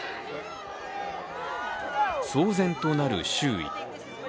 騒然となる周囲。